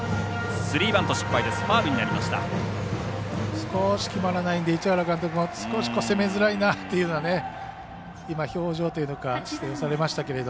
少し決まらないで市原監督は少し攻めづらいなというような表情をされましたけど。